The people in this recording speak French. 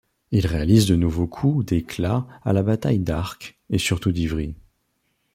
Il réalise de nouveaux coups d'éclat à la bataille d'Arques et surtout d'Ivry.